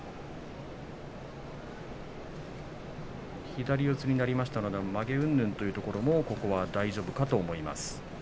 左四つになりましたのでまげというところも大丈夫だと思います。